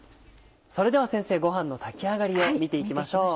それでは先生ご飯の炊き上がりを見て行きましょう。